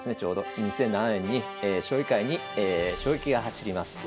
２００７年に将棋界に衝撃が走ります。